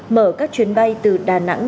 mở các chuyến bay từ đà nẵng